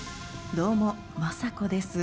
どうも政子です。